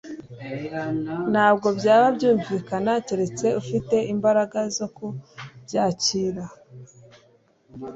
Ntabwo byaba byumvikana keretse ufite imbaraga zo kubyakira